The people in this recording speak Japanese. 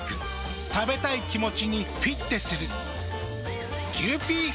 食べたい気持ちにフィッテする。